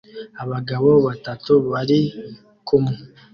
Abagabo batatu bari kumwe